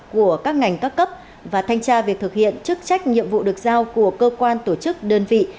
của các ngành các cấp và thanh tra việc thực hiện chức trách nhiệm vụ được giao của cơ quan tổ chức đơn vị